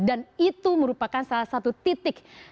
dan itu merupakan salah satu titik